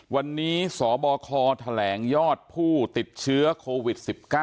วันนี้สบคแถลงยอดผู้ติดเชื้อโควิด๑๙